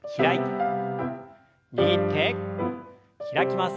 握って開きます。